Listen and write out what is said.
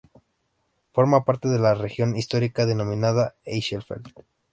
Forma parte de la región histórica denominada Eichsfeld.